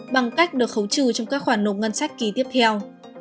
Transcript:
bằng cách được khấu trừ trong các khoản nộp ngân sách ký tiếp theo